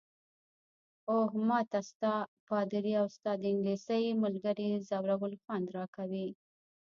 اوه، ما ته ستا، پادري او ستا د انګلیسۍ ملګرې ځورول خوند راکوي.